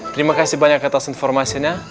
terimakasih banyak atas informasenya